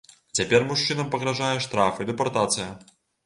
Цяпер мужчынам пагражае штраф і дэпартацыя.